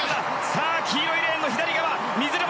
さあ、黄色いレーンの左側